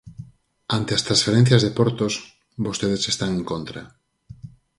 Ante as transferencias de Portos, vostedes están en contra.